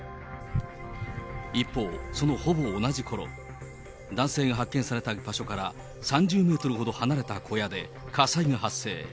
一方、そのほぼ同じころ、男性が発見された場所から３０メートルほど離れた小屋で、火災が発生。